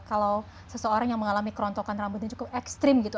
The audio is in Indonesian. kalau seseorang yang mengalami kerontokan rambutnya cukup ekstrim gitu